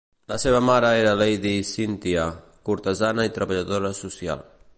La seva mare era Lady Cynthia, cortesana i treballadora social.